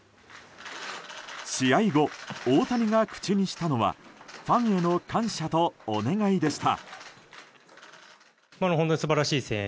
試合後、大谷が口にしたのはファンへの感謝とお願いでした。